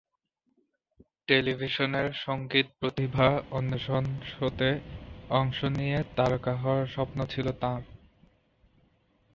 টেলিভিশনের সংগীত প্রতিভা অন্বেষণ শোতে অংশ নিয়ে তারকা হওয়ার স্বপ্ন ছিল তাঁর।